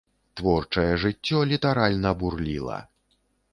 Творчае жыццё літаральна бурліла.